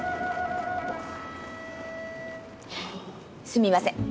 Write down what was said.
すみません。